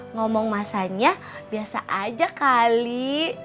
ngomong masanya biasa aja kali